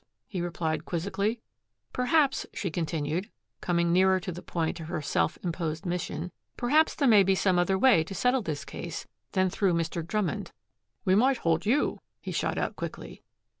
he replied quizzically. "Perhaps," she continued, coming nearer to the point of her self imposed mission, "perhaps there may be some other way to settle this case than through Mr. Drummond." "We might hold you," he shot out quickly.